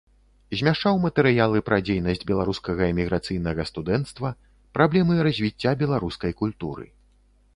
Змяшчаў матэрыялы пра дзейнасць беларускага эміграцыйнага студэнцтва, праблемы развіцця беларускай культуры.